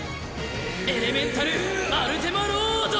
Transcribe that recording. エレメンタル・アルテマ・ロード！